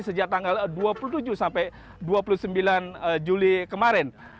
sejak tanggal dua puluh tujuh sampai dua puluh sembilan juli kemarin